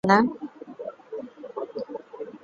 কিন্তু কই, দামিনী তো ধরা দেয় না!